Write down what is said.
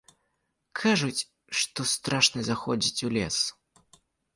Кажуць, што страшна заходзіць у лес.